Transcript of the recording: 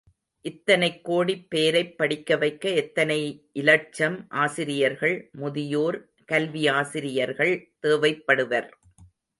இத்தனைக் கோடிப் பேரைப் படிக்க வைக்க எத்தனை இலட்சம் ஆசிரியர்கள், முதியோர் கல்வி ஆசிரியர்கள் தேவைப்படுவர்.